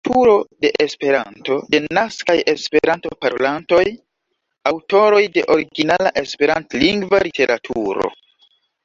Kulturo de Esperanto, Denaskaj Esperanto-parolantoj, Aŭtoroj de originala Esperantlingva literaturo.